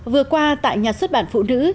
vừa qua tại nhà xuất bản phụ nữ